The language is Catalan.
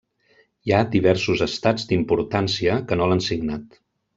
Hi ha diversos Estats d'importància que no l'han signat.